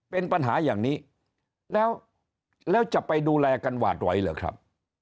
เป็นปัญหาอย่างนี้แล้วจะไปดูแลกันหวาดไหวเหรอครับ